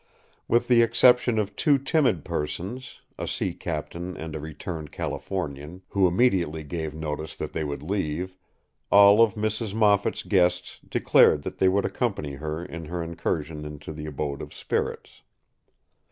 With the exception of two timid persons—a sea captain and a returned Californian, who immediately gave notice that they would leave—all of Mrs. Moffat’s guests declared that they would accompany her in her incursion into the abode of spirits.